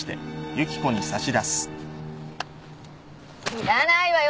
いらないわよ！